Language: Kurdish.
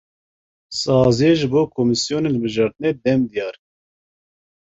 Saziyê, ji bo komisyonên hilbijartinê dem diyar kir.